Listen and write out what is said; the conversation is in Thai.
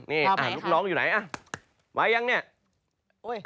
ลูกน้องอยู่ไหนไว้ยังเนี่ย